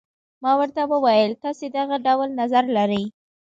ما ورته وویل تاسي دغه ډول نظر لرئ.